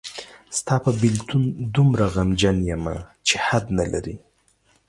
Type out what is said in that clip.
ستا په بېلتون دومره غمجن یمه چې حد نلري